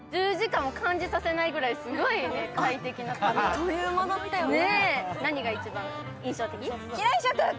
あっという間だったよね。